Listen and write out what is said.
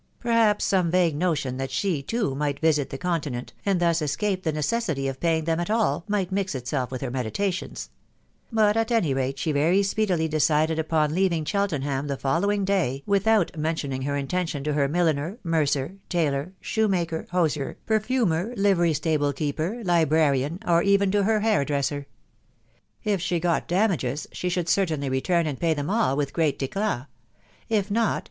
Perhaps some vague notion that she, too, might visit the Continent, and thus escape the neces sity of paying them at all, might mix itself with her meditsv tions ; but at any rate she very speedily decided upon leaving Cheltenham the following day without mentioning her inten tion to her milliner, mercer, tailor, &\\oemsker« hosier, M."i_. . i 1 '. «.".r_ .ri.' mijn THB WIDOW BABKABY. 9tt . £amer, livery stable keeper, librarian, or even to her hair dresser. If she got damages, she should certainly return and 'u P*y them all with great idat ; if not